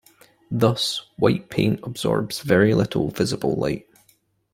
Thus white paint absorbs very little visible light.